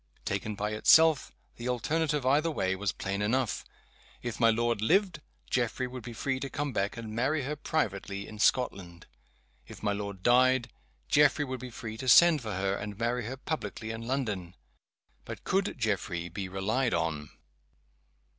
Taken by itself, the alternative, either way, was plain enough. If my lord lived Geoffrey would be free to come back, and marry her privately in Scotland. If my lord died Geoffrey would be free to send for her, and marry her publicly in London. But could Geoffrey be relied on?